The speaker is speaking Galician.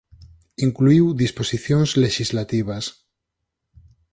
Incluíu disposicións lexislativas.